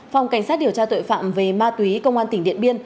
phòng cảnh sát điều tra tội phạm về ma túy công an tỉnh điện biên